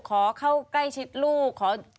ขอเข้าใกล้ชิดลูก